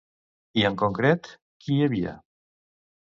I en concret, qui hi havia?